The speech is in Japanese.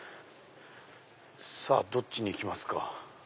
さぁどっちに行きますか。